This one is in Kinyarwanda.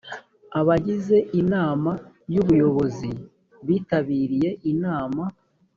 abagize inama y ubuyobozi bitabiriye inama